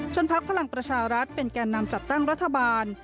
พักพลังประชารัฐเป็นแก่นำจัดตั้งรัฐบาล